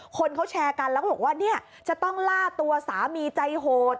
คนเขาแชร์กันแล้วก็บอกว่าเนี่ยจะต้องล่าตัวสามีใจโหด